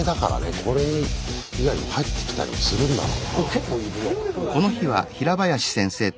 これ以外にも入ってきたりもするんだろうなぁ。